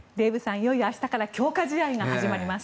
いよいよ明日から強化試合が始まります。